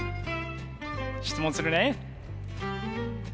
質問するね。